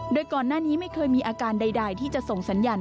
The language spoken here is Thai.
โดยก่อนหน้านี้ไม่เคยมีอาการใดที่จะส่งสัญญาณ